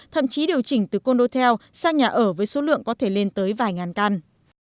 thậm chí điều chỉnh từ con đô tel sang nhà ở với số lượng có thể lên tới vài ngàn căn